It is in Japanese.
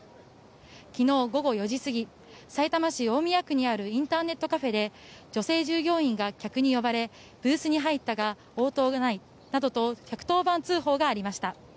昨日午後４時過ぎさいたま市大宮区にあるインターネットカフェで女性従業員が客に呼ばれブースに入ったが応答がないなどと１１０番通報がありました。